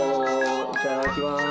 いただきます。